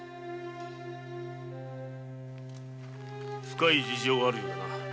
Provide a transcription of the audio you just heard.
深い事情があるようだな。